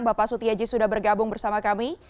bapak suti yajis sudah bergabung bersama kami